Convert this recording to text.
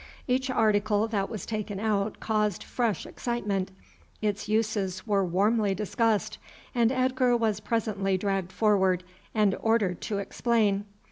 Each article that was taken out caused fresh excitement, its uses were warmly discussed, and Edgar was presently dragged forward and ordered to explain.